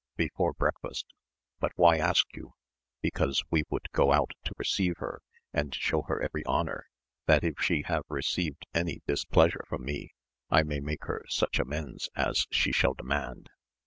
— ^Before breakfast : But why ask you ?— Because we would go out to receive her and show her every honour, that if she have * received any displeasure from me I may make her such amends as she shall demand.